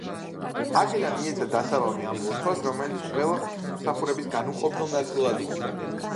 აქედან მიეცა დასაბამი ამ ლოცვას, რომელიც ყველა ღვთისმსახურების განუყოფელ ნაწილად იქცა.